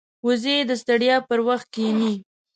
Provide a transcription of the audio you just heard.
وزې د ستړیا پر وخت کښیني